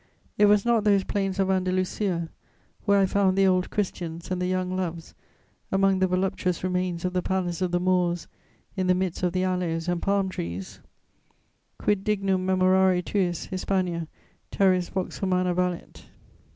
It was not those plains of Andalusia, where I found the old Christians and the young loves among the voluptuous remains of the palace of the Moors in the midst of the aloes and palm trees: Quid dignum memorare tuis, Hispania, terris Vox humana valet?